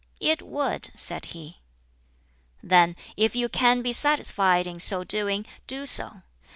"It would," said he. "Then if you can be satisfied in so doing, do so.